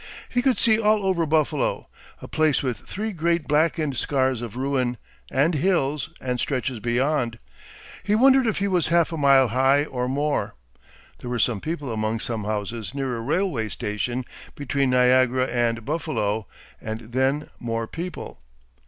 He could see all over Buffalo, a place with three great blackened scars of ruin, and hills and stretches beyond. He wondered if he was half a mile high, or more. There were some people among some houses near a railway station between Niagara and Buffalo, and then more people.